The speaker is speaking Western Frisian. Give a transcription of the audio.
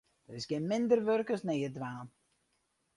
Der is gjin minder wurk as neatdwaan.